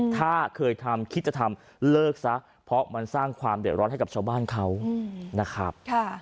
ถ้าเคยทำคิดจะทำเลิกซะเพราะมันสร้างความเดือดร้อนให้กับชาวบ้านเขานะครับ